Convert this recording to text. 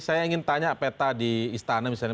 saya ingin tanya apet tadi istana misalnya